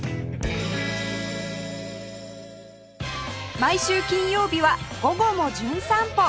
毎週金曜日は『午後もじゅん散歩』